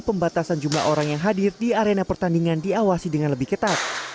pembatasan jumlah orang yang hadir di arena pertandingan diawasi dengan lebih ketat